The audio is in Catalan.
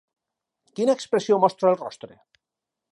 Quina expressió mostra el rostre?